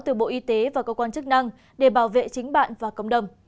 từ bộ y tế và cơ quan chức năng để bảo vệ chính bạn và cộng đồng